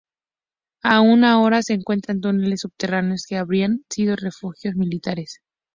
Aún ahora se encuentran túneles subterráneos que habrían sido refugios militares.